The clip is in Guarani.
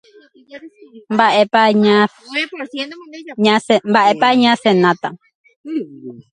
Mba'épa ñasenáta.